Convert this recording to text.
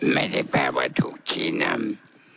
ไม่ได้แปลว่าถูกชี้นำ